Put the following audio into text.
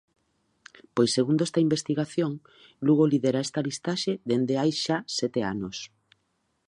Pois segundo esta investigación, Lugo lidera esta listaxe dende hai xa sete anos.